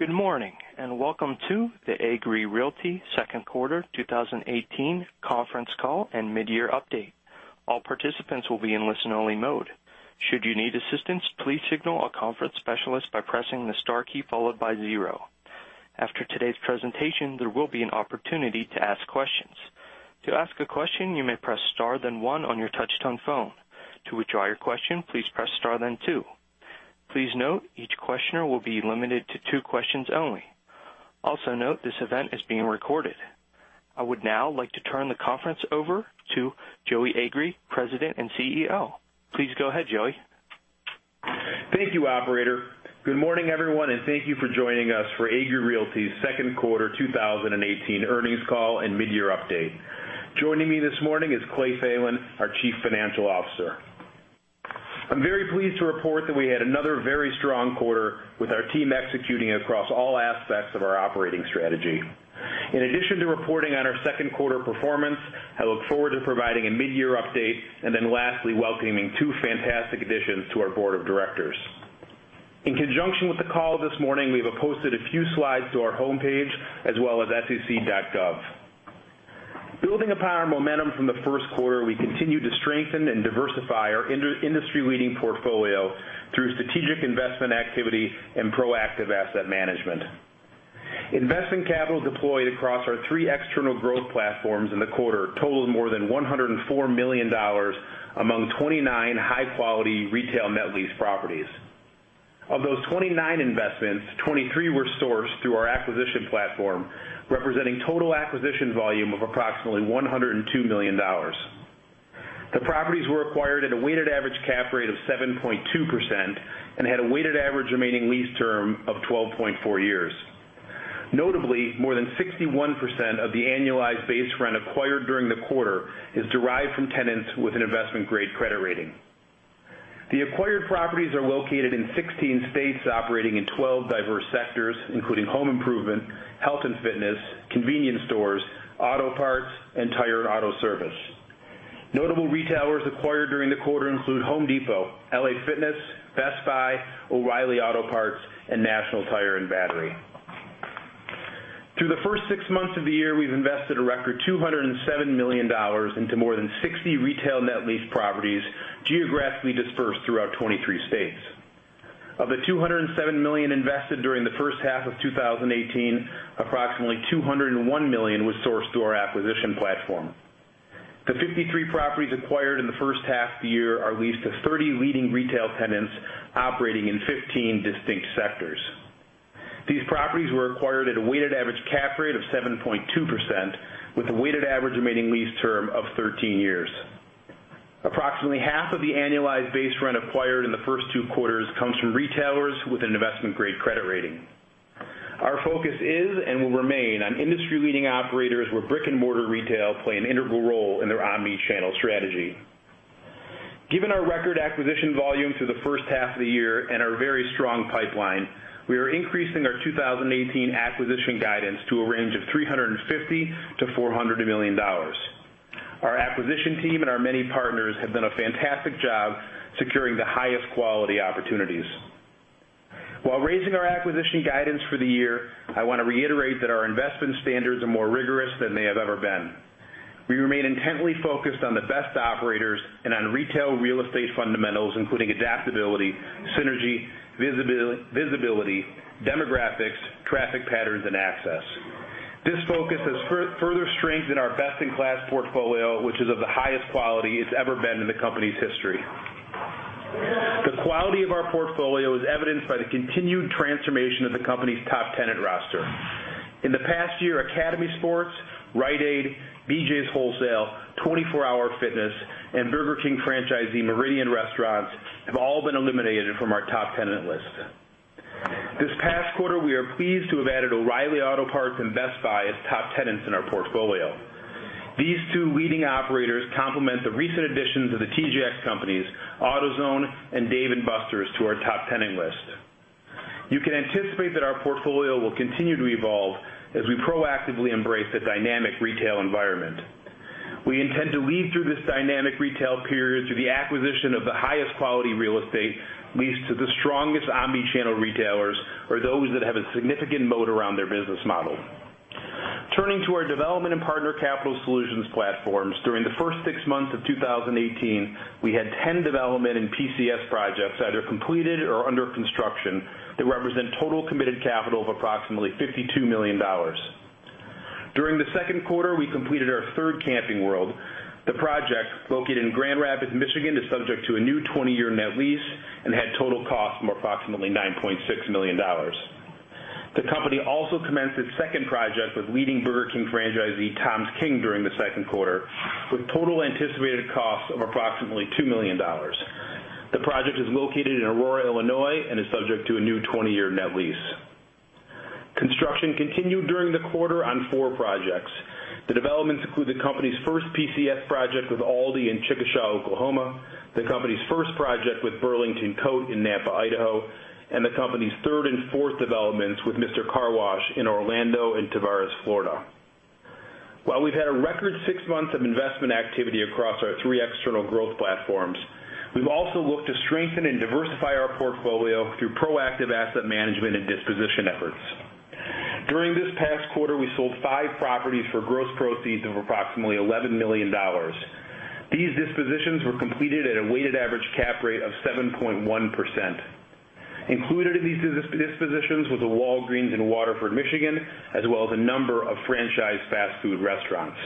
Good morning, welcome to the Agree Realty second quarter 2018 conference call and mid-year update. All participants will be in listen only mode. Should you need assistance, please signal our conference specialist by pressing the star key followed by zero. After today's presentation, there will be an opportunity to ask questions. To ask a question, you may press star then one on your touch-tone phone. To withdraw your question, please press star then two. Please note, each questioner will be limited to two questions only. Also note, this event is being recorded. I would now like to turn the conference over to Joey Agree, President and CEO. Please go ahead, Joey. Thank you, operator. Good morning, everyone, thank you for joining us for Agree Realty's second quarter 2018 earnings call and mid-year update. Joining me this morning is Clay Thelen, our Chief Financial Officer. I'm very pleased to report that we had another very strong quarter with our team executing across all aspects of our operating strategy. In addition to reporting on our second quarter performance, I look forward to providing a mid-year update, and then lastly, welcoming two fantastic additions to our board of directors. In conjunction with the call this morning, we have posted a few slides to our homepage as well as sec.gov. Building upon our momentum from the first quarter, we continue to strengthen and diversify our industry-leading portfolio through strategic investment activity and proactive asset management. Investment capital deployed across our three external growth platforms in the quarter totaled more than $104 million among 29 high-quality retail net lease properties. Of those 29 investments, 23 were sourced through our acquisition platform, representing total acquisition volume of approximately $102 million. The properties were acquired at a weighted average cap rate of 7.2% and had a weighted average remaining lease term of 12.4 years. Notably, more than 61% of the annualized base rent acquired during the quarter is derived from tenants with an investment-grade credit rating. The acquired properties are located in 16 states operating in 12 diverse sectors, including home improvement, health and fitness, convenience stores, auto parts, and tire auto service. Notable retailers acquired during the quarter include Home Depot, LA Fitness, Best Buy, O'Reilly Auto Parts, and National Tire and Battery. Through the first six months of the year, we've invested a record $207 million into more than 60 retail net lease properties geographically dispersed throughout 23 states. Of the $207 million invested during the first half of 2018, approximately $201 million was sourced through our acquisition platform. The 53 properties acquired in the first half of the year are leased to 30 leading retail tenants operating in 15 distinct sectors. These properties were acquired at a weighted average cap rate of 7.2%, with a weighted average remaining lease term of 13 years. Approximately half of the annualized base rent acquired in the first two quarters comes from retailers with an investment-grade credit rating. Our focus is and will remain on industry-leading operators where brick-and-mortar retail play an integral role in their omni-channel strategy. Given our record acquisition volume through the first half of the year and our very strong pipeline, we are increasing our 2018 acquisition guidance to a range of $350 million-$400 million. Our acquisition team and our many partners have done a fantastic job securing the highest quality opportunities. While raising our acquisition guidance for the year, I want to reiterate that our investment standards are more rigorous than they have ever been. We remain intently focused on the best operators and on retail real estate fundamentals, including adaptability, synergy, visibility, demographics, traffic patterns, and access. This focus has further strengthened our best-in-class portfolio, which is of the highest quality it's ever been in the company's history. The quality of our portfolio is evidenced by the continued transformation of the company's top tenant roster. In the past year, Academy Sports, Rite Aid, BJ's Wholesale, 24 Hour Fitness, and Burger King franchisee Meridian Restaurants have all been eliminated from our top tenant list. This past quarter, we are pleased to have added O'Reilly Auto Parts and Best Buy as top tenants in our portfolio. These two leading operators complement the recent additions of The TJX Companies, AutoZone, and Dave & Buster's to our top tenanting list. You can anticipate that our portfolio will continue to evolve as we proactively embrace the dynamic retail environment. We intend to lead through this dynamic retail period through the acquisition of the highest quality real estate leased to the strongest omni-channel retailers or those that have a significant moat around their business model. Turning to our development and Partner Capital Solutions platforms, during the first six months of 2018, we had 10 development and PCS projects either completed or under construction that represent total committed capital of approximately $52 million. During the second quarter, we completed our third Camping World. The project, located in Grand Rapids, Michigan, is subject to a new 20-year net lease and had total cost of approximately $9.6 million. The company also commenced its second project with leading Burger King franchisee TOMS King during the second quarter with total anticipated cost of approximately $2 million. The project is located in Aurora, Illinois, and is subject to a new 20-year net lease. Construction continued during the quarter on four projects. The developments include the company's first PCS project with Aldi in Chickasha, Oklahoma, the company's first project with Burlington Coat in Nampa, Idaho, and the company's third and fourth developments with Mister Car Wash in Orlando and Tavares, Florida. While we've had a record six months of investment activity across our three external growth platforms, we've also looked to strengthen and diversify our portfolio through proactive asset management and disposition efforts. During this past quarter, we sold five properties for gross proceeds of approximately $11 million. These dispositions were completed at a weighted average cap rate of 7.1%. Included in these dispositions was a Walgreens in Waterford, Michigan, as well as a number of franchise fast food restaurants.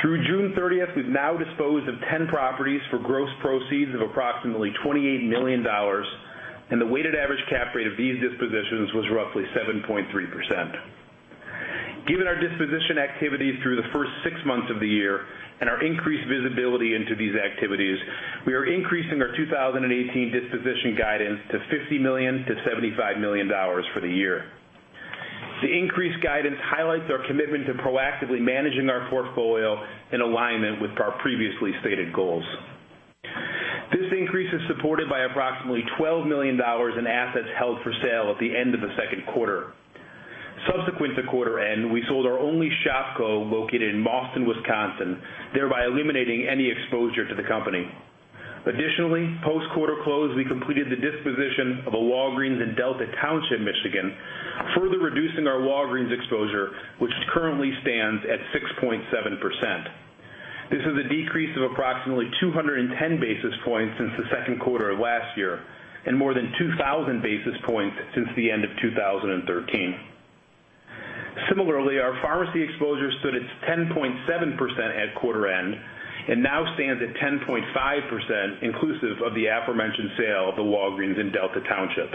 Through June 30th, we've now disposed of 10 properties for gross proceeds of approximately $28 million, and the weighted average cap rate of these dispositions was roughly 7.3%. Given our disposition activities through the first six months of the year and our increased visibility into these activities, we are increasing our 2018 disposition guidance to $50 million-$75 million for the year. The increased guidance highlights our commitment to proactively managing our portfolio in alignment with our previously stated goals. This increase is supported by approximately $12 million in assets held for sale at the end of the second quarter. Subsequent to quarter end, we sold our only Shopko located in Baraboo, Wisconsin, thereby eliminating any exposure to the company. Additionally, post quarter close, we completed the disposition of a Walgreens in Delta Township, Michigan, further reducing our Walgreens exposure, which currently stands at 6.7%. This is a decrease of approximately 210 basis points since the second quarter of last year and more than 2,000 basis points since the end of 2013. Similarly, our pharmacy exposure stood at 10.7% at quarter end and now stands at 10.5% inclusive of the aforementioned sale of the Walgreens in Delta Township.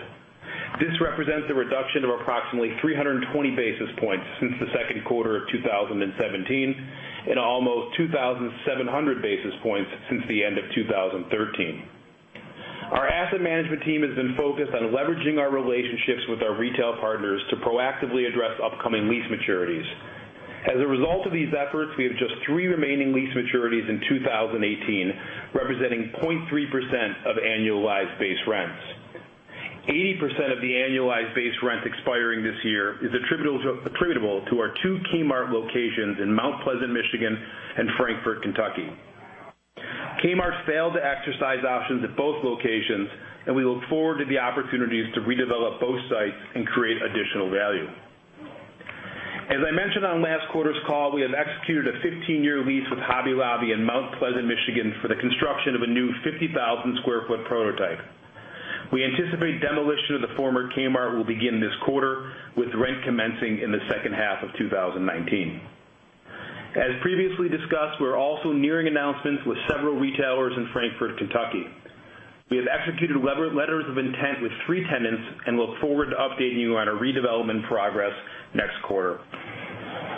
This represents a reduction of approximately 320 basis points since the second quarter of 2017 and almost 2,700 basis points since the end of 2013. Our asset management team has been focused on leveraging our relationships with our retail partners to proactively address upcoming lease maturities. As a result of these efforts, we have just three remaining lease maturities in 2018, representing 0.3% of annualized base rents. 80% of the annualized base rent expiring this year is attributable to our two Kmart locations in Mount Pleasant, Michigan, and Frankfort, Kentucky. Kmart failed to exercise options at both locations. We look forward to the opportunities to redevelop both sites and create additional value. As I mentioned on last quarter's call, we have executed a 15-year lease with Hobby Lobby in Mount Pleasant, Michigan, for the construction of a new 50,000 sq ft prototype. We anticipate demolition of the former Kmart will begin this quarter with rent commencing in the second half of 2019. As previously discussed, we are also nearing announcements with several retailers in Frankfort, Kentucky. We have executed letters of intent with three tenants and look forward to updating you on our redevelopment progress next quarter.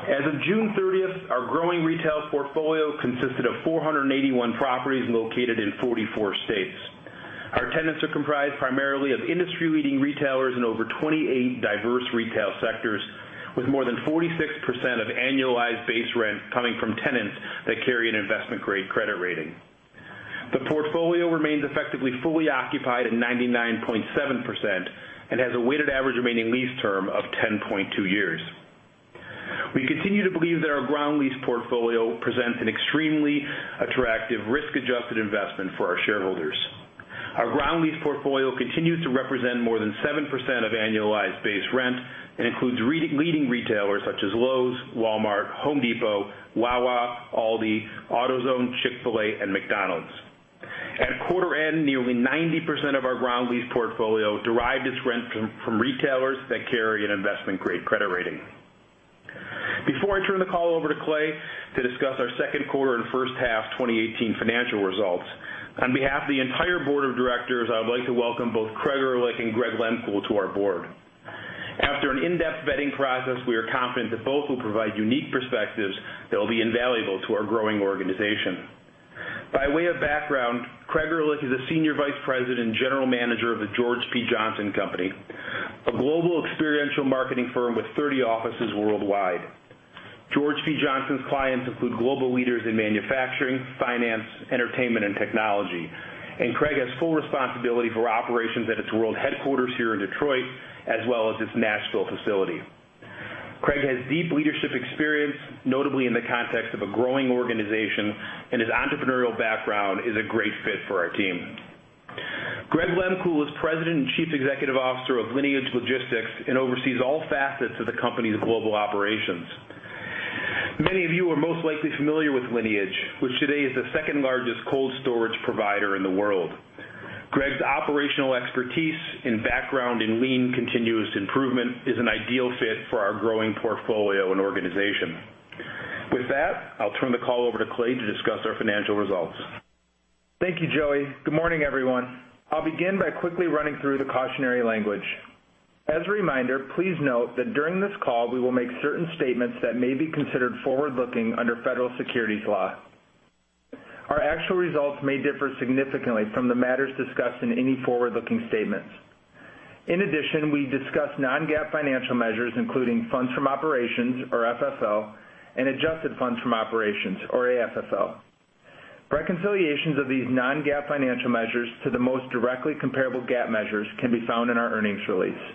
As of June 30th, our growing retail portfolio consisted of 481 properties located in 44 states. Our tenants are comprised primarily of industry-leading retailers in over 28 diverse retail sectors, with more than 46% of annualized base rent coming from tenants that carry an investment-grade credit rating. The portfolio remains effectively fully occupied at 99.7% and has a weighted average remaining lease term of 10.2 years. We continue to believe that our ground lease portfolio presents an extremely attractive risk-adjusted investment for our shareholders. Our ground lease portfolio continues to represent more than 7% of annualized base rent and includes leading retailers such as Lowe's, Walmart, Home Depot, Wawa, Aldi, AutoZone, Chick-fil-A, and McDonald's. At quarter end, nearly 90% of our ground lease portfolio derived its rent from retailers that carry an investment-grade credit rating. Before I turn the call over to Clay to discuss our second quarter and first half 2018 financial results, on behalf of the entire board of directors, I would like to welcome both Craig Erlich and Greg Lehmkuhl to our board. After an in-depth vetting process, we are confident that both will provide unique perspectives that will be invaluable to our growing organization. By way of background, Craig Erlich is a senior vice president and general manager of the George P. George P. Johnson, a global experiential marketing firm with 30 offices worldwide. George P. Johnson's clients include global leaders in manufacturing, finance, entertainment, and technology. Craig has full responsibility for operations at its world headquarters here in Detroit, as well as its Nashville facility. Craig Erlich has deep leadership experience, notably in the context of a growing organization, and his entrepreneurial background is a great fit for our team. Greg Lehmkuhl is President and Chief Executive Officer of Lineage Logistics and oversees all facets of the company's global operations. Many of you are most likely familiar with Lineage, which today is the second-largest cold storage provider in the world. Greg Lehmkuhl's operational expertise and background in lean continuous improvement is an ideal fit for our growing portfolio and organization. With that, I'll turn the call over to Clay to discuss our financial results. Thank you, Joey. Good morning, everyone. I'll begin by quickly running through the cautionary language. As a reminder, please note that during this call, we will make certain statements that may be considered forward-looking under federal securities law. Our actual results may differ significantly from the matters discussed in any forward-looking statements. In addition, we discuss non-GAAP financial measures, including funds from operations, or FFO, and adjusted funds from operations, or AFFO. Reconciliations of these non-GAAP financial measures to the most directly comparable GAAP measures can be found in our earnings release.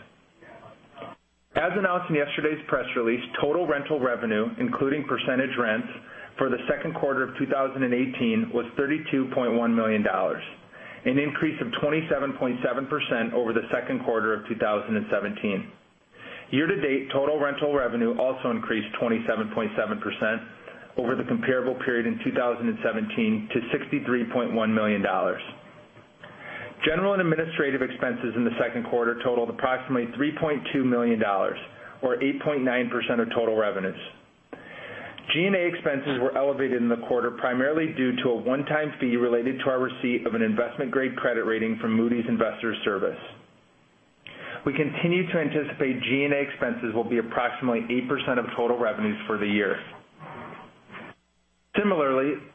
As announced in yesterday's press release, total rental revenue, including percentage rents for the second quarter of 2018, was $32.1 million, an increase of 27.7% over the second quarter of 2017. Year-to-date total rental revenue also increased 27.7% over the comparable period in 2017 to $63.1 million. General and administrative expenses in the second quarter totaled approximately $3.2 million, or 8.9% of total revenues. G&A expenses were elevated in the quarter, primarily due to a one-time fee related to our receipt of an investment-grade credit rating from Moody's Investors Service. We continue to anticipate G&A expenses will be approximately 8% of total revenues for the year.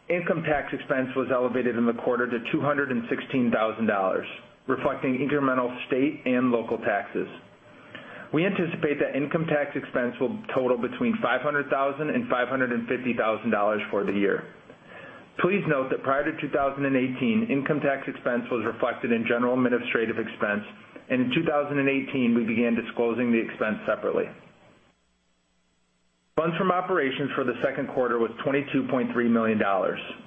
Income tax expense was elevated in the quarter to $216,000, reflecting incremental state and local taxes. We anticipate that income tax expense will total between $500,000 and $550,000 for the year. Please note that prior to 2018, income tax expense was reflected in general administrative expense, and in 2018, we began disclosing the expense separately. Funds from operations for the second quarter was $22.3 million,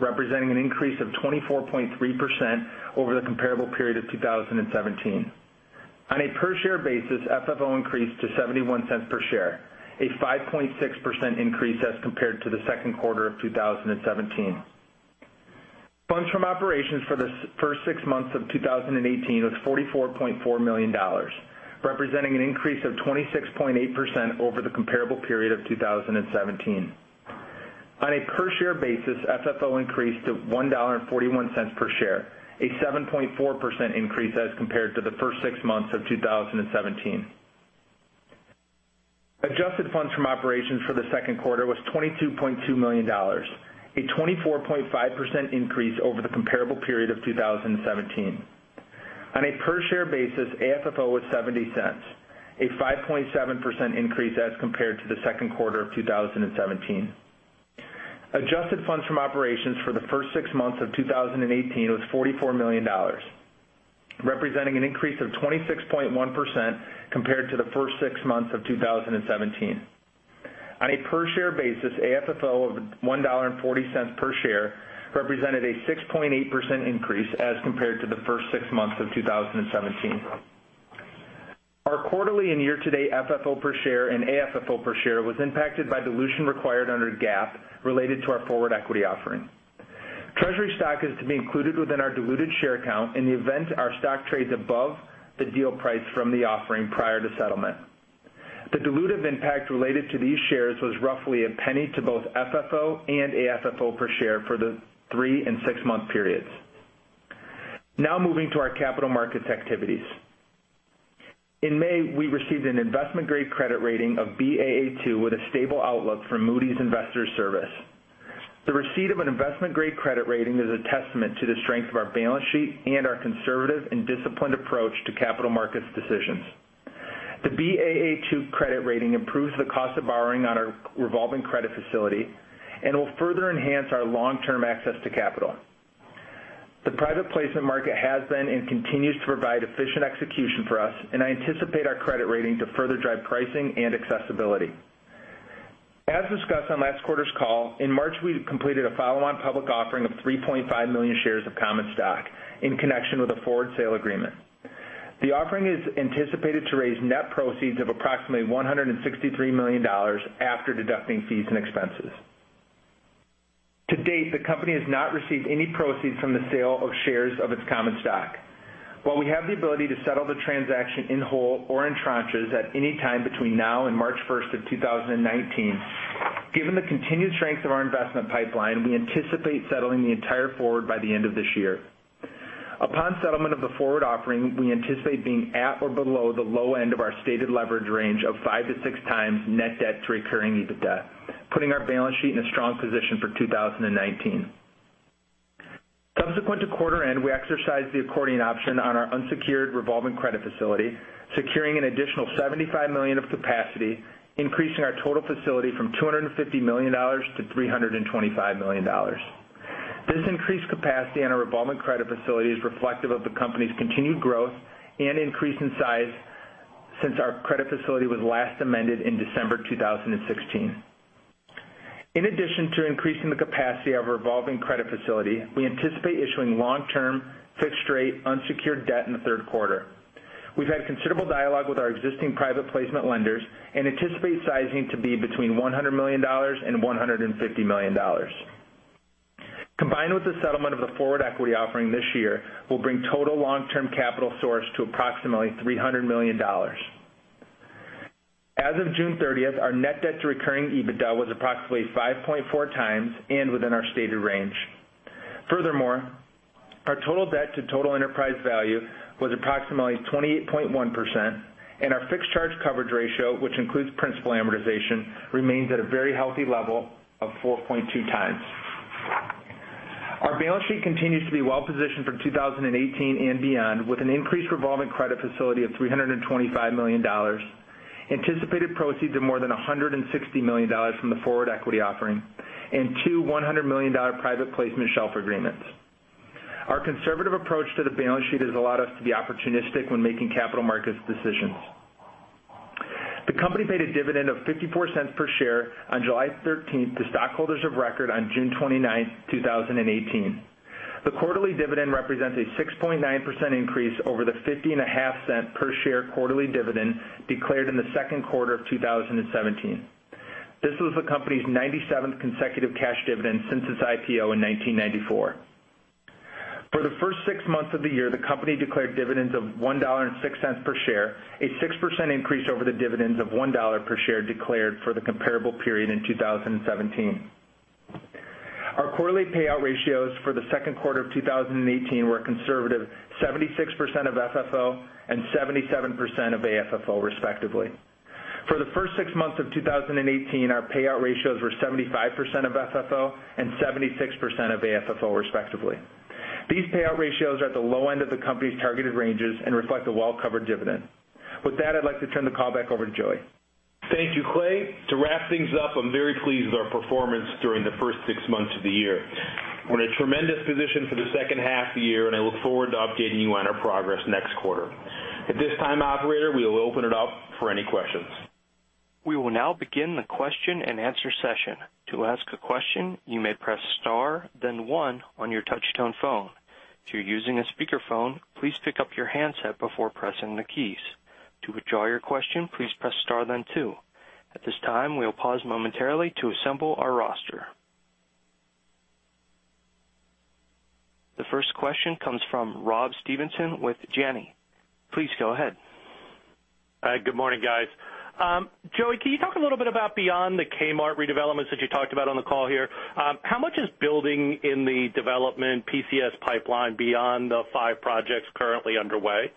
representing an increase of 24.3% over the comparable period of 2017. On a per-share basis, FFO increased to $0.71 per share, a 5.6% increase as compared to the second quarter of 2017. Funds from operations for the first six months of 2018 was $44.4 million, representing an increase of 26.8% over the comparable period of 2017. On a per-share basis, FFO increased to $1.41 per share, a 7.4% increase as compared to the first six months of 2017. Adjusted funds from operations for the second quarter was $22.2 million, a 24.5% increase over the comparable period of 2017. On a per-share basis, AFFO was $0.70, a 5.7% increase as compared to the second quarter of 2017. Adjusted funds from operations for the first six months of 2018 was $44 million, representing an increase of 26.1% compared to the first six months of 2017. On a per-share basis, AFFO of $1.40 per share represented a 6.8% increase as compared to the first six months of 2017. Our quarterly and year-to-date FFO per share and AFFO per share was impacted by dilution required under GAAP related to our forward equity offering. Treasury stock is to be included within our diluted share count in the event our stock trades above the deal price from the offering prior to settlement. The dilutive impact related to these shares was roughly $0.01 to both FFO and AFFO per share for the three and six-month periods. Moving to our capital markets activities. In May, we received an investment-grade credit rating of Baa2 with a stable outlook from Moody's Investors Service. The receipt of an investment-grade credit rating is a testament to the strength of our balance sheet and our conservative and disciplined approach to capital markets decisions. The Baa2 credit rating improves the cost of borrowing on our revolving credit facility and will further enhance our long-term access to capital. The private placement market has been, and continues to provide efficient execution for us, and I anticipate our credit rating to further drive pricing and accessibility. As discussed on last quarter's call, in March, we completed a follow-on public offering of 3.5 million shares of common stock in connection with a forward sale agreement. The offering is anticipated to raise net proceeds of approximately $163 million after deducting fees and expenses. To date, the company has not received any proceeds from the sale of shares of its common stock. While we have the ability to settle the transaction in whole or in tranches at any time between now and March 1st of 2019, given the continued strength of our investment pipeline, we anticipate settling the entire forward by the end of this year. Upon settlement of the forward offering, we anticipate being at or below the low end of our stated leverage range of five to six times net debt to recurring EBITDA, putting our balance sheet in a strong position for 2019. Subsequent to quarter end, we exercised the accordion option on our unsecured revolving credit facility, securing an additional $75 million of capacity, increasing our total facility from $250 million-$325 million. This increased capacity on our revolving credit facility is reflective of the company's continued growth and increase in size since our credit facility was last amended in December 2016. In addition to increasing the capacity of our revolving credit facility, we anticipate issuing long-term fixed-rate unsecured debt in the third quarter. We've had considerable dialogue with our existing private placement lenders and anticipate sizing to be between $100 million and $150 million. Combined with the settlement of the forward equity offering this year, will bring total long-term capital source to approximately $300 million. As of June 30th, our net debt to recurring EBITDA was approximately 5.4 times and within our stated range. Furthermore, our total debt to total enterprise value was approximately 28.1%, and our fixed charge coverage ratio, which includes principal amortization, remains at a very healthy level of 4.2 times. Our balance sheet continues to be well-positioned for 2018 and beyond, with an increased revolving credit facility of $325 million. Anticipated proceeds of more than $160 million from the forward equity offering and two $100 million private placement shelf agreements. Our conservative approach to the balance sheet has allowed us to be opportunistic when making capital markets decisions. The company paid a dividend of $0.54 per share on July 13th to stockholders of record on June 29, 2018. The quarterly dividend represents a 6.9% increase over the $0.505 per share quarterly dividend declared in the second quarter of 2017. This was the company's 97th consecutive cash dividend since its IPO in 1994. For the first six months of the year, the company declared dividends of $1.06 per share, a 6% increase over the dividends of $1 per share declared for the comparable period in 2017. Our quarterly payout ratios for the second quarter of 2018 were a conservative 76% of FFO and 77% of AFFO, respectively. For the first six months of 2018, our payout ratios were 75% of FFO and 76% of AFFO, respectively. These payout ratios are at the low end of the company's targeted ranges and reflect a well-covered dividend. With that, I'd like to turn the call back over to Joey. Thank you, Clay. To wrap things up, I'm very pleased with our performance during the first six months of the year. We're in a tremendous position for the second half of the year, and I look forward to updating you on our progress next quarter. At this time, operator, we will open it up for any questions. We will now begin the question and answer session. To ask a question, you may press star then one on your touch-tone phone. If you're using a speakerphone, please pick up your handset before pressing the keys. To withdraw your question, please press star then two. At this time, we'll pause momentarily to assemble our roster. The first question comes from Rob Stevenson with Janney. Please go ahead. Hi, good morning, guys. Joey, can you talk a little bit about beyond the Kmart redevelopments that you talked about on the call here? How much is building in the development PCS pipeline beyond the five projects currently underway?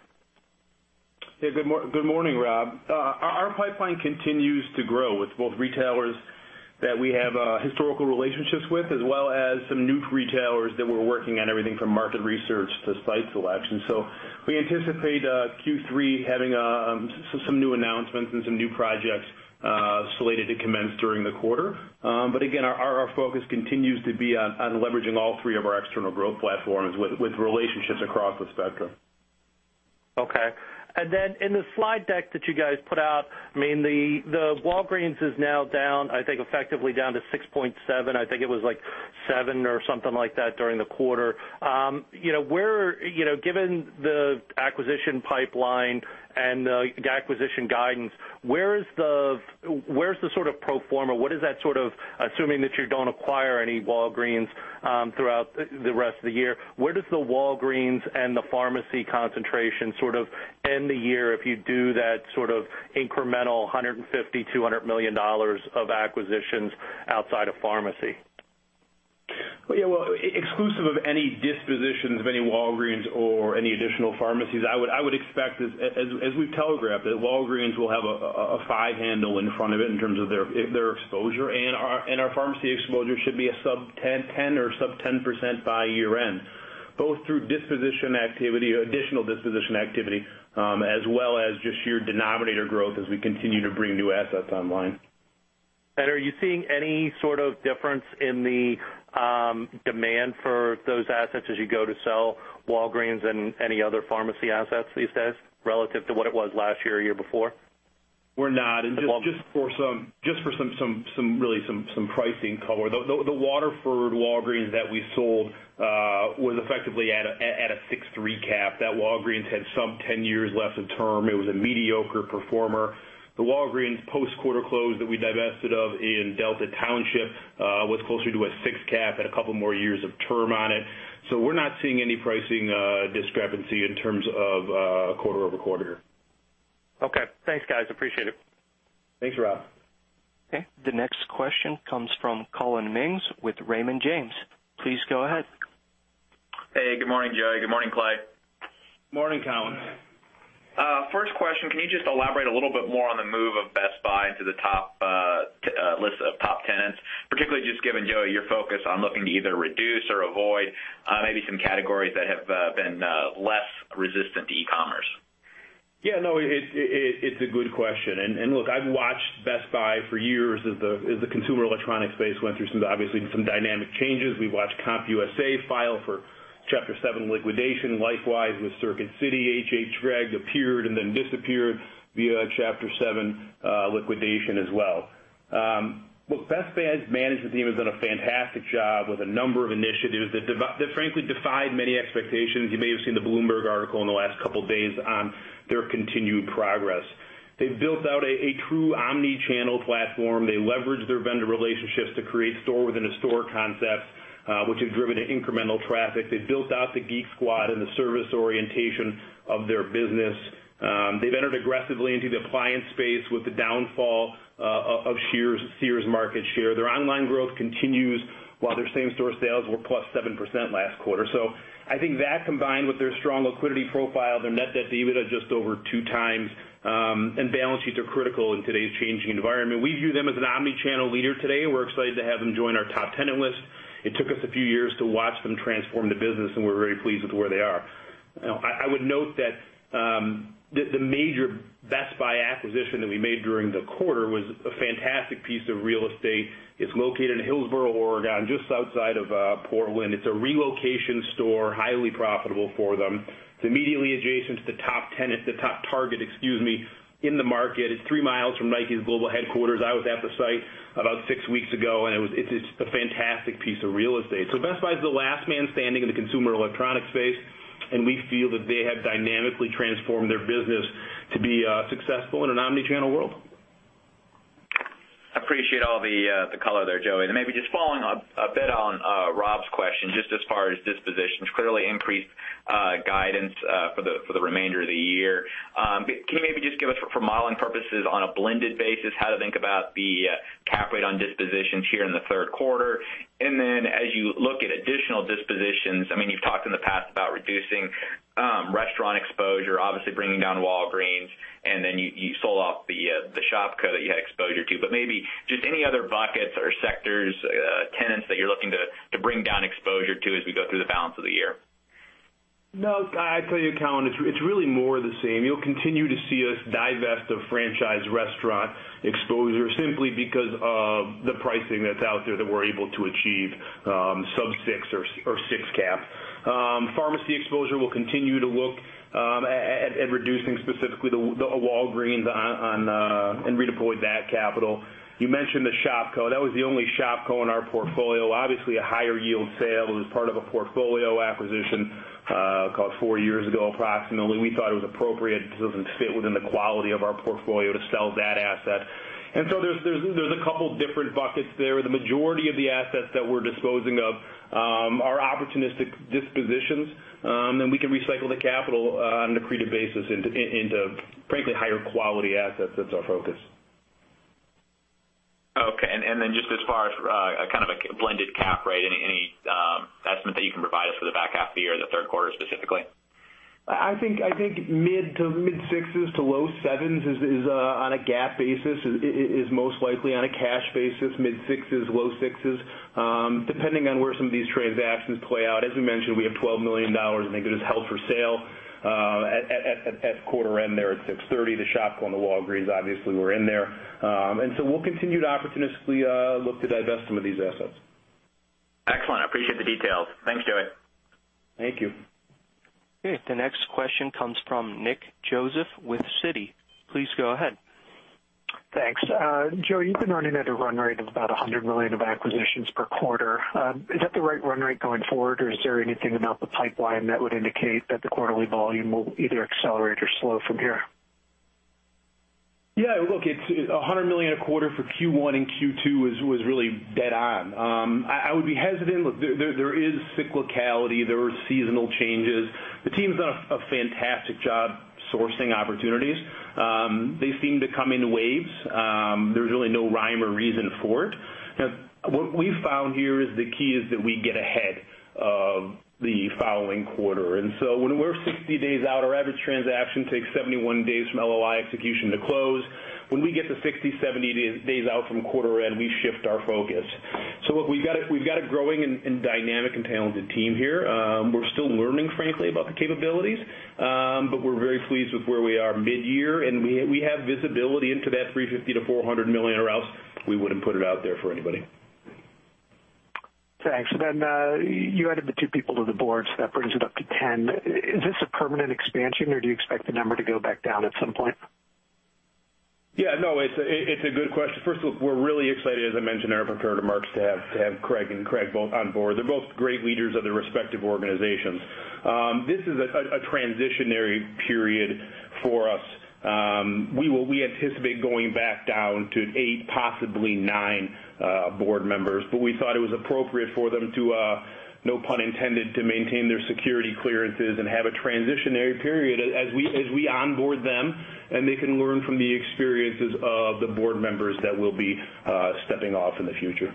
Hey, good morning, Rob. Our pipeline continues to grow with both retailers that we have historical relationships with, as well as some new retailers that we're working on everything from market research to site selection. We anticipate Q3 having some new announcements and some new projects slated to commence during the quarter. Again, our focus continues to be on leveraging all three of our external growth platforms with relationships across the spectrum. Okay. In the slide deck that you guys put out, the Walgreens is now down, I think, effectively down to 6.7. I think it was seven or something like that during the quarter. Given the acquisition pipeline and the acquisition guidance, where is the sort of pro forma? Assuming that you don't acquire any Walgreens throughout the rest of the year, where does the Walgreens and the pharmacy concentration sort of end the year if you do that sort of incremental $150 million, $200 million of acquisitions outside of pharmacy? Yeah. Well, exclusive of any dispositions of any Walgreens or any additional pharmacies, I would expect, as we've telegraphed, that Walgreens will have a five handle in front of it in terms of their exposure. Our pharmacy exposure should be a sub 10 or sub 10% by year end, both through disposition activity or additional disposition activity, as well as just sheer denominator growth as we continue to bring new assets online. Are you seeing any sort of difference in the demand for those assets as you go to sell Walgreens and any other pharmacy assets these days relative to what it was last year or year before? We're not. Just for really some pricing color, the Waterford Walgreens that we sold was effectively at a 6 cap. That Walgreens had some 10 years left of term. It was a mediocre performer. The Walgreens post-quarter close that we divested of in Delta Township was closer to a 6 cap, had a couple more years of term on it. We're not seeing any pricing discrepancy in terms of quarter-over-quarter. Okay. Thanks, guys. Appreciate it. Thanks, Rob. Okay, the next question comes from Collin Mings with Raymond James. Please go ahead. Hey, good morning, Joey. Good morning, Clay. Morning, Collin. First question, can you just elaborate a little bit more on the move of Best Buy into the list of top tenants, particularly just given, Joey, your focus on looking to either reduce or avoid maybe some categories that have been less resistant to e-commerce? No, it's a good question. Look, I've watched Best Buy for years as the consumer electronics space went through obviously some dynamic changes. We watched CompUSA file for Chapter 7 liquidation, likewise with Circuit City. H.H. Gregg appeared and then disappeared via Chapter 7 liquidation as well. Look, Best Buy's management team has done a fantastic job with a number of initiatives that frankly defied many expectations. You may have seen the Bloomberg article in the last couple of days on their continued progress. They've built out a true omni-channel platform. They leveraged their vendor relationships to create store within a store concept, which has driven incremental traffic. They've built out the Geek Squad and the service orientation of their business. They've entered aggressively into the appliance space with the downfall of Sears' market share. Their online growth continues while their same store sales were +7% last quarter. So I think that combined with their strong liquidity profile, their net debt to EBITDA just over two times, and balance sheets are critical in today's changing environment. We view them as an omni-channel leader today. We're excited to have them join our top tenant list. It took us a few years to watch them transform the business, and we're very pleased with where they are. I would note that the major Best Buy acquisition that we made during the quarter was a fantastic piece of real estate. It's located in Hillsboro, Oregon, just outside of Portland. It's a relocation store, highly profitable for them. It's immediately adjacent to the top Target in the market. It's three miles from Nike's global headquarters. I was at the site about six weeks ago, and it's just a fantastic piece of real estate. So Best Buy's the last man standing in the consumer electronics space, and we feel that they have dynamically transformed their business to be successful in an omni-channel world. Appreciate all the color there, Joey. Maybe just following up a bit on Rob's question, just as far as dispositions. Clearly increased guidance for the remainder of the year. Can you maybe just give us, for modeling purposes on a blended basis, how to think about the cap rate on dispositions here in the third quarter? Then as you look at additional dispositions, you've talked in the past about reducing restaurant exposure, obviously bringing down Walgreens, and then you sold off the Shopko that you had exposure to. But maybe, just any other buckets or sectors, tenants that you're looking to bring down exposure to as we go through the balance of the year? No, I tell you, Collin, it's really more of the same. You'll continue to see us divest of franchise restaurant exposure simply because of the pricing that's out there that we're able to achieve sub six or six cap. Pharmacy exposure, we'll continue to look at reducing specifically the Walgreens and redeploy that capital. You mentioned the Shopko. That was the only Shopko in our portfolio. Obviously, a higher yield sale. It was part of a portfolio acquisition, call it four years ago, approximately. We thought it was appropriate because it doesn't fit within the quality of our portfolio to sell that asset. There's a couple different buckets there. The majority of the assets that we're disposing of are opportunistic dispositions. We can recycle the capital on an accretive basis into, frankly, higher quality assets. That's our focus. Okay, just as far as a kind of blended cap rate, any estimate that you can provide us for the back half of the year and the third quarter specifically? I think mid sixes to low sevens is on a GAAP basis, is most likely on a cash basis, mid sixes, low sixes, depending on where some of these transactions play out. As we mentioned, we have $12 million in assets held for sale at quarter end there at 6/30, the Shopko and the Walgreens, obviously were in there. We'll continue to opportunistically look to divest some of these assets. Excellent. I appreciate the details. Thanks, Joey. Thank you. Okay. The next question comes from Nick Joseph with Citi. Please go ahead. Thanks. Joey, you've been running at a run rate of about $100 million of acquisitions per quarter. Is that the right run rate going forward, or is there anything about the pipeline that would indicate that the quarterly volume will either accelerate or slow from here? Yeah, look, it's $100 million a quarter for Q1 and Q2 was really dead on. I would be hesitant. Look, there is cyclicality. There are seasonal changes. The team's done a fantastic job sourcing opportunities. They seem to come in waves. There's really no rhyme or reason for it. What we've found here is the key is that we get ahead of the following quarter. When we're 60 days out, our average transaction takes 71 days from LOI execution to close. When we get to 60, 70 days out from quarter end, we shift our focus. Look, we've got a growing and dynamic and talented team here. We're still learning, frankly, about the capabilities. We're very pleased with where we are mid-year, and we have visibility into that $350 million-$400 million or else we wouldn't put it out there for anybody. Thanks. You added the two people to the board, so that brings it up to 10. Is this a permanent expansion, or do you expect the number to go back down at some point? Yeah, no, it's a good question. First of all, we're really excited, as I mentioned in our prepared remarks, to have Craig and Greg both on board. They're both great leaders of their respective organizations. This is a transitionary period for us. We anticipate going back down to eight, possibly nine board members. We thought it was appropriate for them to, no pun intended, to maintain their security clearances and have a transitionary period as we onboard them, and they can learn from the experiences of the board members that will be stepping off in the future.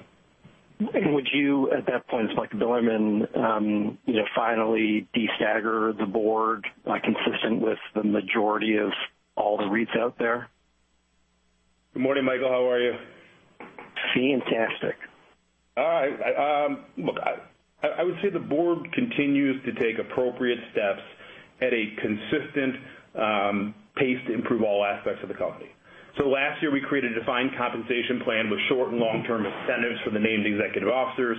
Would you, at that point, Michael Bilerman, finally de-stagger the board, consistent with the majority of all the REITs out there? Good morning, Michael. How are you? Fantastic. All right. Look, I would say the board continues to take appropriate steps at a consistent pace to improve all aspects of the company. Last year, we created a defined compensation plan with short and long-term incentives for the named executive officers.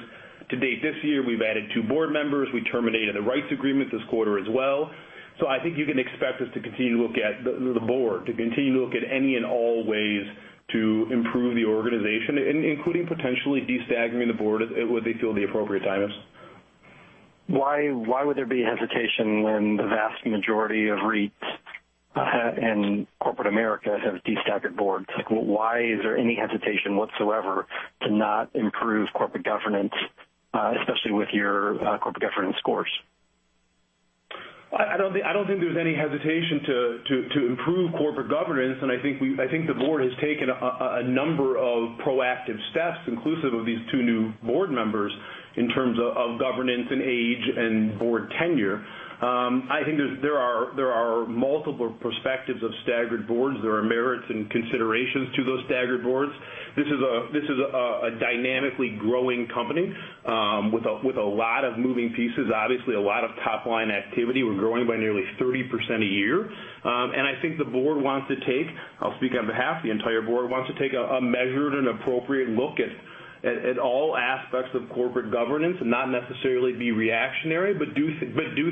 To date this year, we've added two board members. We terminated the rights agreement this quarter as well. I think you can expect the board to continue to look at any and all ways to improve the organization, including potentially de-staggering the board when they feel the appropriate time is. Why would there be hesitation when the vast majority of REITs and corporate America have de-staggered boards? Why is there any hesitation whatsoever to not improve corporate governance, especially with your corporate governance scores? I don't think there's any hesitation to improve corporate governance, and I think the board has taken a number of proactive steps inclusive of these two new board members in terms of governance and age and board tenure. I think there are multiple perspectives of staggered boards. There are merits and considerations to those staggered boards. This is a dynamically growing company with a lot of moving pieces, obviously a lot of top-line activity. We're growing by nearly 30% a year. I think the board wants to take, I'll speak on behalf, the entire board wants to take a measured and appropriate look at all aspects of corporate governance and not necessarily be reactionary, but do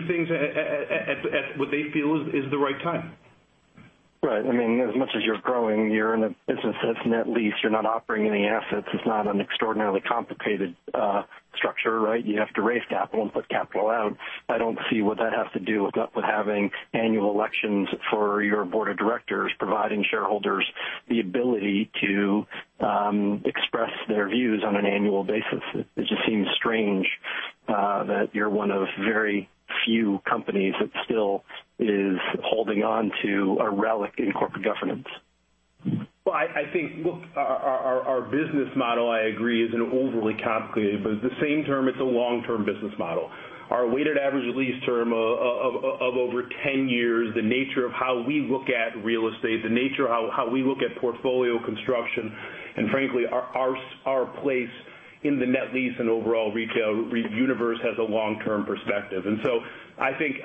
things at what they feel is the right time. Right. As much as you're growing, you're in a business that's net lease. You're not offering any assets. It's not an extraordinarily complicated structure, right? You have to raise capital and put capital out. I don't see what that has to do with having annual elections for your board of directors, providing shareholders the ability to express their views on an annual basis. It just seems strange that you're one of very few companies that still is holding on to a relic in corporate governance. I think, look, our business model, I agree, isn't overly complicated. At the same term, it's a long-term business model. Our weighted average lease term of over 10 years, the nature of how we look at real estate, the nature of how we look at portfolio construction, and frankly, our place in the net lease and overall retail universe has a long-term perspective. I think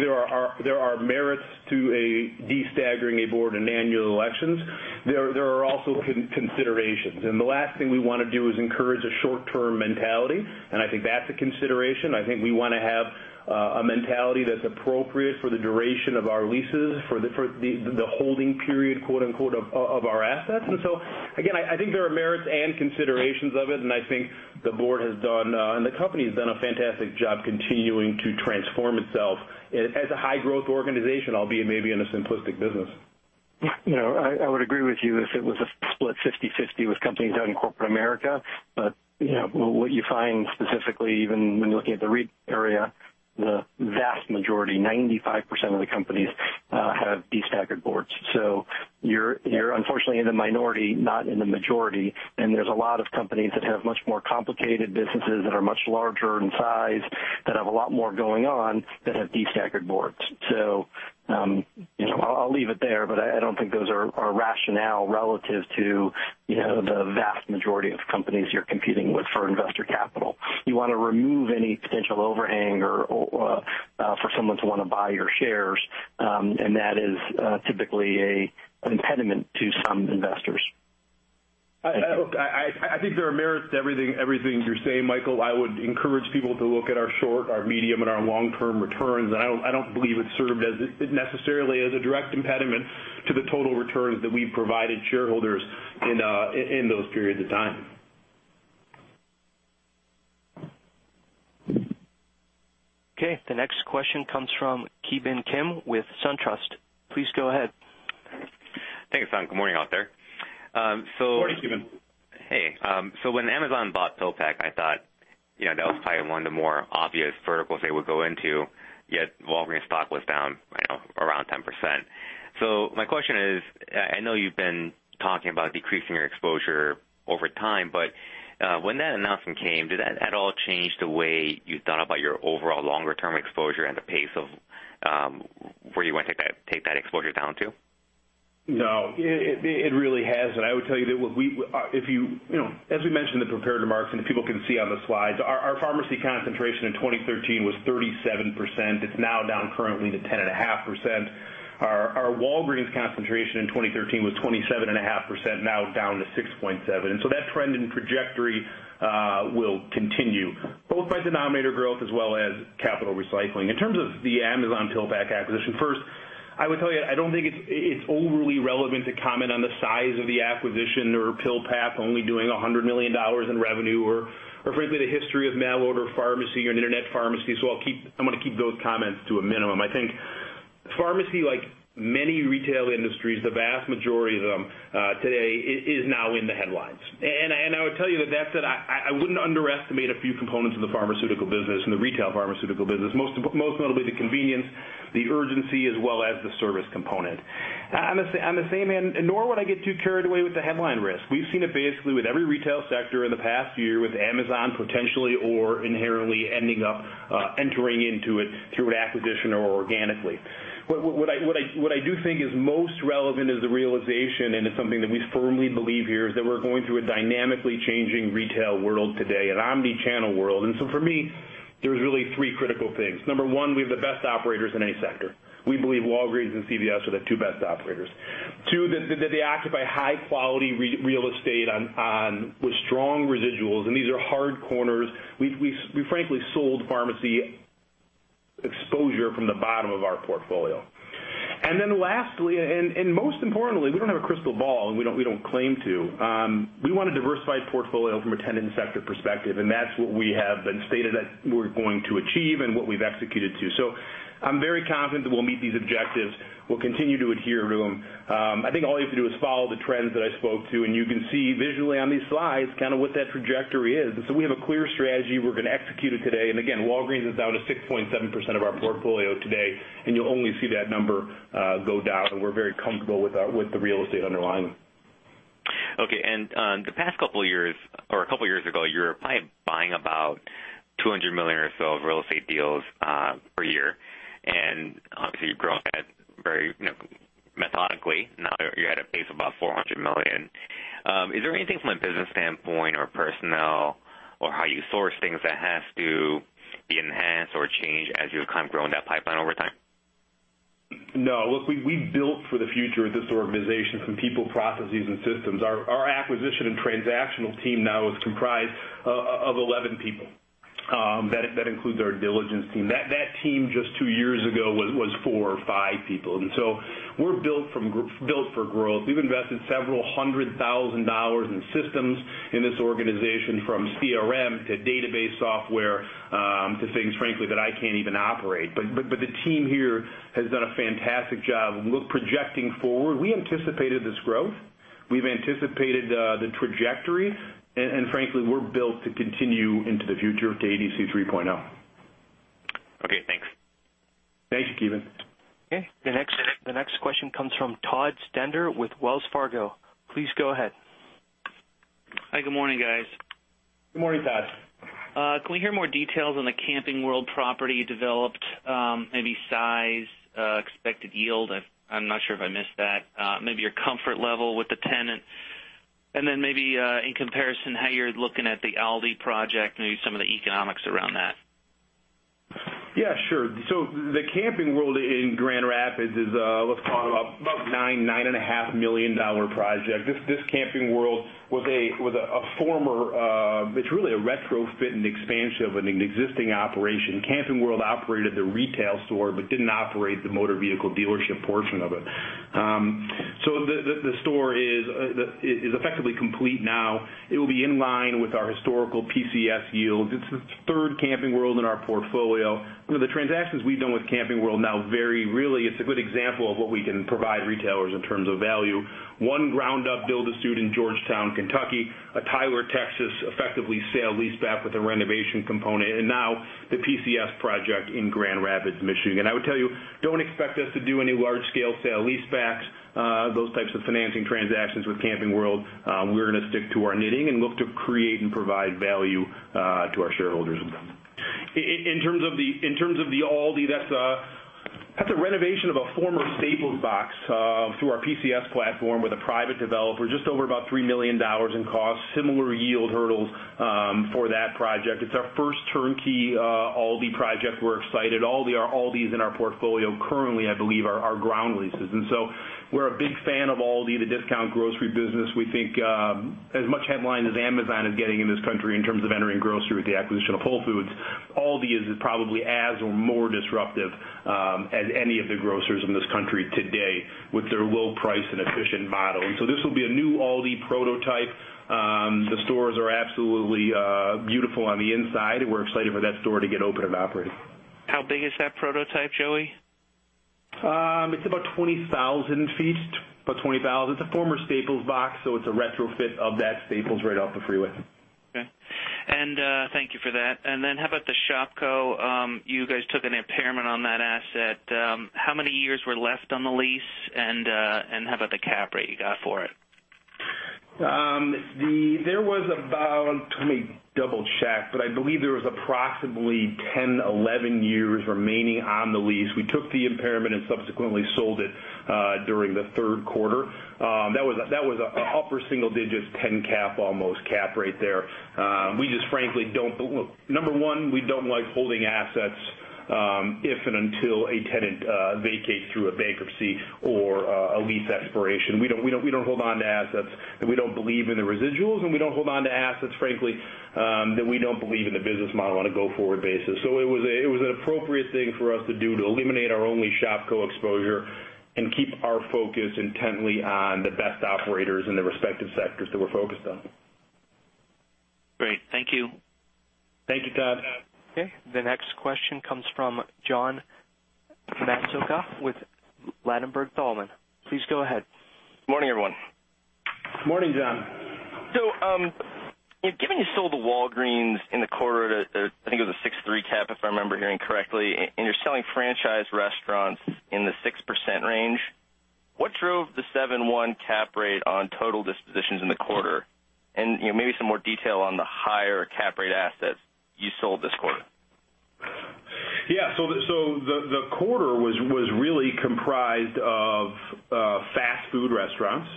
there are merits to de-staggering a board in annual elections. There are also considerations. The last thing we want to do is encourage a short-term mentality. I think that's a consideration. I think we want to have a mentality that's appropriate for the duration of our leases, for the "holding period" of our assets. Again, I think there are merits and considerations of it. I think the board has done, and the company has done a fantastic job continuing to transform itself as a high-growth organization, albeit maybe in a simplistic business. I would agree with you if it was a split 50/50 with companies out in corporate America. What you find specifically, even when looking at the REIT area, the vast majority, 95% of the companies have de-staggered boards. You're unfortunately in the minority, not in the majority. There's a lot of companies that have much more complicated businesses that are much larger in size, that have a lot more going on, that have de-staggered boards. I'll leave it there. I don't think those are rationale relative to the vast majority of companies you're competing with for investor capital. You want to remove any potential overhang or for someone to want to buy your shares. That is typically an impediment to some investors. Look, I think there are merits to everything you're saying, Michael. I would encourage people to look at our short, our medium, and our long-term returns. I don't believe it served necessarily as a direct impediment to the total returns that we've provided shareholders in those periods of time. Okay, the next question comes from Ki Bin Kim with SunTrust. Please go ahead. Thanks, Don. Good morning, out there. Morning, Ki Bin. Hey. When Amazon bought PillPack, I thought that was probably one of the more obvious verticals they would go into, yet Walgreens' stock was down around 10%. My question is, I know you've been talking about decreasing your exposure over time, but when that announcement came, did that at all change the way you thought about your overall longer-term exposure and the pace of where you want to take that exposure down to? No, it really hasn't. I would tell you that as we mentioned in the prepared remarks, people can see on the slides, our pharmacy concentration in 2013 was 37%. It's now down currently to 10.5%. Our Walgreens concentration in 2013 was 27.5%, now down to 6.7%. That trend and trajectory will continue, both by denominator growth as well as capital recycling. In terms of the Amazon PillPack acquisition, first, I would tell you, I don't think it's overly relevant to comment on the size of the acquisition or PillPack only doing $100 million in revenue or frankly, the history of mail-order pharmacy or Internet pharmacy. I'm going to keep those comments to a minimum. I think pharmacy, like many retail industries, the vast majority of them today, is now in the headlines. I would tell you that that said, I wouldn't underestimate a few components of the pharmaceutical business and the retail pharmaceutical business, most notably the convenience, the urgency, as well as the service component. On the same end, nor would I get too carried away with the headline risk. We've seen it basically with every retail sector in the past year with Amazon potentially or inherently ending up entering into it through an acquisition or organically. What I do think is most relevant is the realization, and it's something that we firmly believe here, is that we're going through a dynamically changing retail world today, an omni-channel world. For me, there's really three critical things. Number 1, we have the best operators in any sector. We believe Walgreens and CVS are the two best operators. 2, that they occupy high-quality real estate with strong residuals, and these are hard corners. We frankly sold pharmacy exposure from the bottom of our portfolio. Lastly, and most importantly, we don't have a crystal ball, and we don't claim to. We want a diversified portfolio from a tenant and sector perspective, and that's what we have been stated that we're going to achieve and what we've executed to. I'm very confident that we'll meet these objectives. We'll continue to adhere to them. I think all you have to do is follow the trends that I spoke to, and you can see visually on these slides kind of what that trajectory is. We have a clear strategy. We're going to execute it today. Again, Walgreens is down to 6.7% of our portfolio today, and you'll only see that number go down, and we're very comfortable with the real estate underlying. Okay. The past couple of years, or a couple of years ago, you were probably buying about $200 million or so of real estate deals per year. Obviously, you've grown that very methodically. Now you're at a pace of about $400 million. Is there anything from a business standpoint or personnel or how you source things that has to be enhanced or changed as you've grown that pipeline over time? No. Look, we built for the future of this organization from people, processes, and systems. Our acquisition and transactional team now is comprised of 11 people. That includes our diligence team. That team just two years ago was four or five people. So we're built for growth. We've invested $several hundred thousand in systems in this organization, from CRM to database software, to things, frankly, that I can't even operate. The team here has done a fantastic job. Look, projecting forward, we anticipated this growth. We've anticipated the trajectory. Frankly, we're built to continue into the future with ADC 3.0. Okay, thanks. Thanks, Ki Bin. Okay, the next question comes from Todd Stender with Wells Fargo. Please go ahead. Hi, good morning, guys. Good morning, Todd. Can we hear more details on the Camping World property you developed, maybe size, expected yield? I am not sure if I missed that. Maybe your comfort level with the tenant, and then maybe in comparison, how you are looking at the Aldi project, maybe some of the economics around that. Yeah, sure. The Camping World in Grand Rapids is, let's call it about a nine and a half million dollar project. This Camping World was a retrofit and expansion of an existing operation. Camping World operated the retail store but didn't operate the motor vehicle dealership portion of it. The store is effectively complete now. It'll be in line with our historical PCS yields. It's the third Camping World in our portfolio. The transactions we've done with Camping World now vary. Really, it's a good example of what we can provide retailers in terms of value. One ground-up build-to-suit in Georgetown, Kentucky, a Tyler, Texas, effectively sale-leaseback with a renovation component, and now the PCS project in Grand Rapids, Michigan. I would tell you, don't expect us to do any large-scale sale-leasebacks, those types of financing transactions with Camping World. We're going to stick to our knitting and look to create and provide value to our shareholders. In terms of the Aldi, that's a renovation of a former Staples box through our PCS platform with a private developer, just over about $3 million in cost. Similar yield hurdles for that project. It's our first turnkey Aldi project. We're excited. Aldi's in our portfolio currently, I believe, are ground leases. We're a big fan of Aldi, the discount grocery business. We think as much headline as Amazon is getting in this country in terms of entering grocery with the acquisition of Whole Foods, Aldi is probably as or more disruptive as any of the grocers in this country today with their low price and efficient model. This will be a new Aldi prototype. The stores are absolutely beautiful on the inside, and we're excited for that store to get open and operating. How big is that prototype, Joey? It's about 20,000 feet. It's a former Staples box, so it's a retrofit of that Staples right off the freeway. Okay. Thank you for that. Then how about the Shopko? You guys took an impairment on that asset. How many years were left on the lease, and how about the cap rate you got for it? There was about, let me double-check, but I believe there was approximately 10, 11 years remaining on the lease. We took the impairment and subsequently sold it during the third quarter. That was an upper single digits, 10 cap almost, cap rate there. Look, number one, we don't like holding assets if and until a tenant vacates through a bankruptcy or a lease expiration. We don't hold onto assets that we don't believe in the residuals, and we don't hold onto assets, frankly, that we don't believe in the business model on a go-forward basis. It was an appropriate thing for us to do to eliminate our only Shopko exposure and keep our focus intently on the best operators in the respective sectors that we're focused on. Great. Thank you. Thank you, Todd. Okay, the next question comes from John Massocca with Ladenburg Thalmann. Please go ahead. Morning, everyone. Morning, John. Given you sold the Walgreens in the quarter at, I think it was a 6.3% cap, if I remember hearing correctly, and you're selling franchise restaurants in the 6% range, what drove the 7.1% cap rate on total dispositions in the quarter? Maybe some more detail on the higher cap rate assets you sold this quarter. Yeah. The quarter was really comprised of fast food restaurants,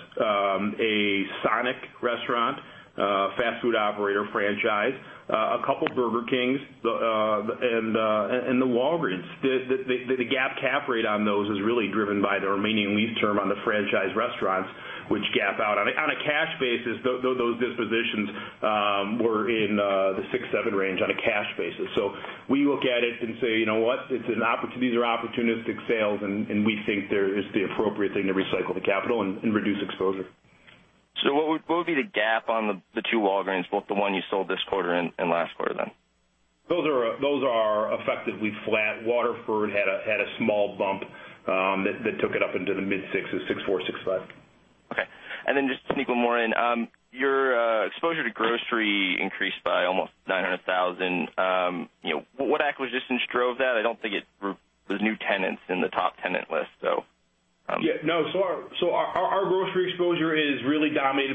a Sonic restaurant, fast food operator franchise, a couple Burger Kings, and the Walgreens. The GAAP cap rate on those is really driven by the remaining lease term on the franchise restaurants, which GAAP out. On a cash basis, those dispositions were in the 6%-7% range on a cash basis. We look at it and say, "You know what? These are opportunistic sales, and we think it's the appropriate thing to recycle the capital and reduce exposure. What would be the GAAP on the 2 Walgreens, both the one you sold this quarter and last quarter then? Those are effectively flat. Waterford had a small bump that took it up into the mid-6s, 6.4%, 6.5%. Okay. Just to sneak one more in. Your exposure to grocery increased by almost $900,000. What acquisitions drove that? I don't think there's new tenants in the top tenant list. Yeah. No. Our grocery exposure is really dominated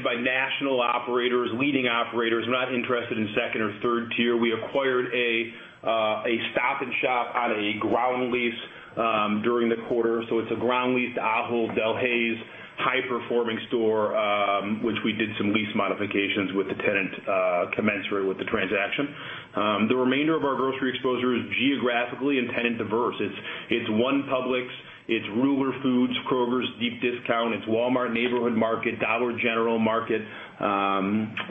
by national operators, leading operators. We're not interested in second or third tier. We acquired a Stop & Shop on a ground lease during the quarter. It's a ground leased Ahold Delhaize high-performing store, which we did some lease modifications with the tenant commensurate with the transaction. The remainder of our grocery exposure is geographically and tenant diverse. It's one Publix, it's Ruler Foods, Kroger's deep discount, it's Walmart Neighborhood Market, Dollar General Market,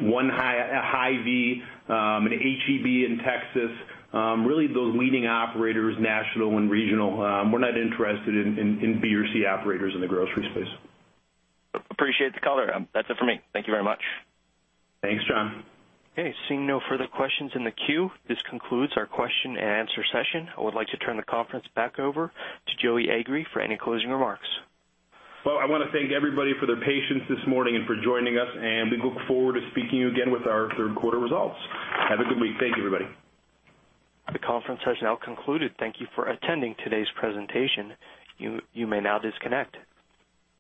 one Hy-Vee, an H-E-B in Texas. Really those leading operators, national and regional. We're not interested in B or C operators in the grocery space. Appreciate the color. That's it for me. Thank you very much. Thanks, John. Okay, seeing no further questions in the queue, this concludes our question and answer session. I would like to turn the conference back over to Joey Agree for any closing remarks. Well, I want to thank everybody for their patience this morning and for joining us, and we look forward to speaking to you again with our third quarter results. Have a good week. Thank you, everybody. The conference has now concluded. Thank you for attending today's presentation. You may now disconnect.